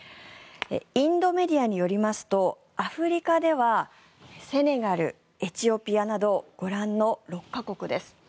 インドメディアによりますとアフリカではセネガル、エチオピアなどご覧の６か国です。